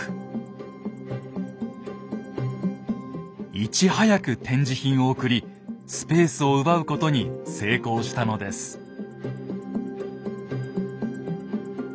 いち早く展示品を送りスペースを奪うことに成功したのです。と思います。